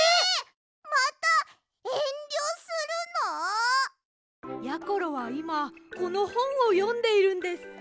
またえんりょするの？やころはいまこのほんをよんでいるんです。